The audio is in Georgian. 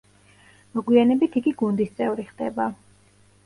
მოგვიანებით იგი გუნდის წევრი ხდება.